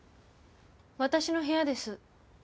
私の部屋です。